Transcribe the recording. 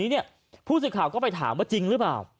ทีนี้ผู้สิทธิ์ข่าวก็ไปถามว่าจริงหรือเปล่า